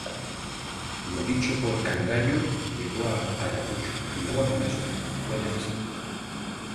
Lo dicho por Cangallo llegó a Ayacucho y luego al Congreso, fue decisivo.